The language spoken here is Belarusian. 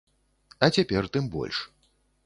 А цяпер тым больш.